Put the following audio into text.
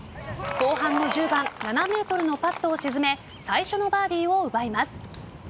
後半の１０番７ｍのパットを沈め最初のバーディーを奪います。